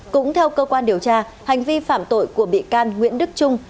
cũng theo cơ quan điều tra hành vi phạm tội của bị can nguyễn đức trung